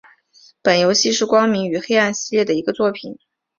本游戏是光明与黑暗系列的一个作品。